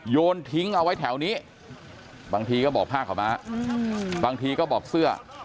โยนทิ้งเอาไว้แถวนี้บางทีก็บอกผ้าขาวม้าบางทีก็บอกเสื้อ